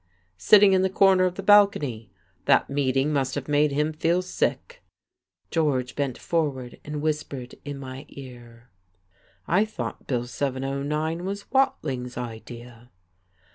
"Sitting in the corner of the balcony. That meeting must have made him feel sick." George bent forward and whispered in my ear: "I thought Bill 709 was Watling's idea."